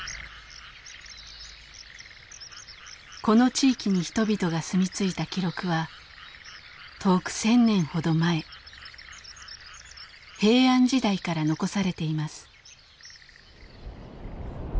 この地域に人々が住みついた記録は遠く１，０００年ほど前平安時代から残されています。